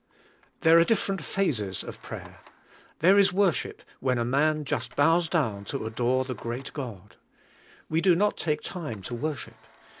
There are different phases of prayer. There is worship, when a man just bows down to adore the great God. We do not take time to worship.